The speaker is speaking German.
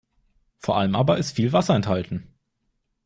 Vor allem aber ist viel Wasser enthalten.